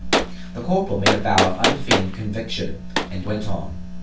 The corporal made the bow of unfeign'd conviction; and went on.